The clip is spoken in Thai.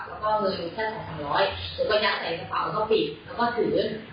แล้วก็เมืองมีแค่๒๐๐๐บาทผมก็ยังใส่กระเป๋าแล้วก็ปิดแล้วก็ถือ